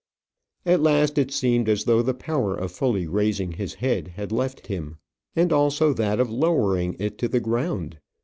At last it seemed as though the power of fully raising his head had left him, and also that of lowering it to the ground.